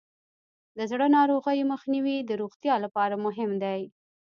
د زړه ناروغیو مخنیوی د روغتیا لپاره مهم دی.